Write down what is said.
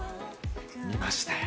見ましたよ。